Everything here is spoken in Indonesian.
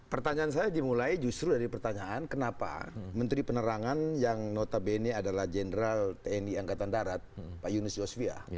pertanyaan saya dimulai justru dari pertanyaan kenapa menteri penerangan yang notabene adalah jenderal tni angkatan darat pak yunus yosvia